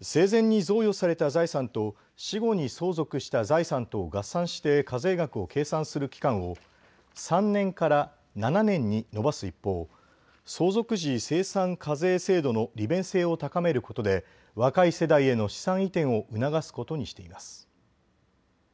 生前に贈与された財産と死後に相続した財産とを合算して課税額を計算する期間を３年から７年に延ばす一方、相続時精算課税制度の利便性を高めることで若い世代への資産移転を促すことにしています。